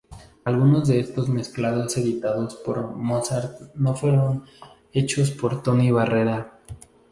Algunos de estos mezclados editados por Musart no fueron hechos por Tony Barrera.